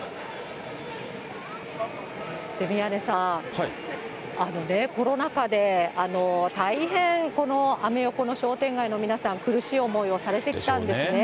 宮根さん、あのね、コロナ禍で大変、このアメ横の商店街の皆さん、苦しい思いをされてきたんですね。